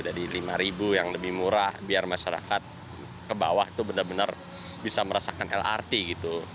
dari lima yang lebih murah biar masyarakat ke bawah itu benar benar bisa merasakan lrt gitu